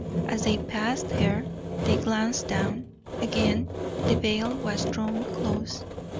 As they passed her they glanced down. Again the veil was drawn close.